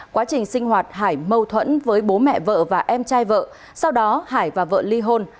quá trình sinh hoạt hải mâu thuẫn với bố mẹ vợ và em trai vợ sau đó hải và vợ ly hôn